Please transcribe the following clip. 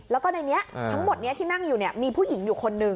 แล้วก็ในนี้ทั้งหมดนี้ที่นั่งอยู่มีผู้หญิงอยู่คนนึง